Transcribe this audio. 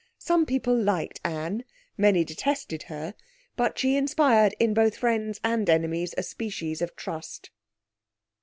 Some people liked Anne, many detested her, but she inspired in both friends and enemies a species of trust.